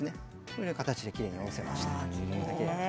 こういう形できれいにおろせました。